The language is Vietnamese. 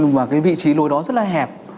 mà cái vị trí lối đó rất là hẹp